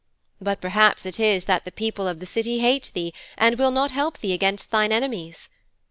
But perhaps it is that the people of the City hate thee and will not help thee against thine enemies.